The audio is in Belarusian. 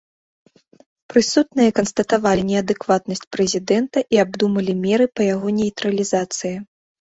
Прысутныя канстатавалі неадэкватнасць прэзідэнта і абдумалі меры па яго нейтралізацыі.